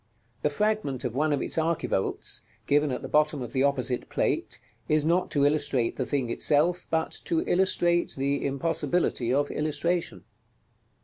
The fragment of one of its archivolts, given at the bottom of the opposite Plate, is not to illustrate the thing itself, but to illustrate the impossibility of illustration.